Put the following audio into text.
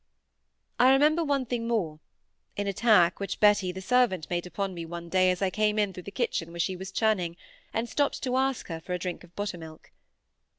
I remember one thing more,—an attack which Betty the servant made upon me one day as I came in through the kitchen where she was churning, and stopped to ask her for a drink of buttermilk.